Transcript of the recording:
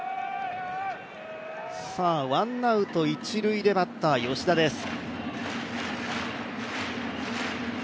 ワンアウト一塁でバッター・吉田です。